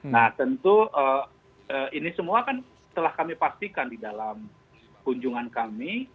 nah tentu ini semua kan telah kami pastikan di dalam kunjungan kami